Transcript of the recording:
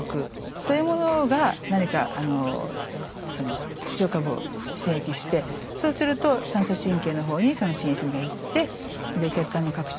そういうものが何かあの視床下部を刺激してそうすると三叉神経の方にその刺激が行って血管の拡張